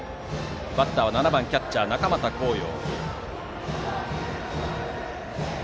バッターは７番キャッチャーの中俣光陽。